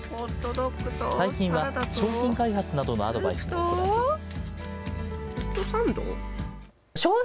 最近は、商品開発などのアドバイスも行っています。